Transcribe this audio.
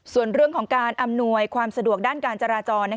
ส่วนเรื่องของการอำนวยความสะดวกด้านการจราจร